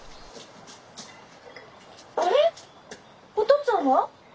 あれお父っつぁんは？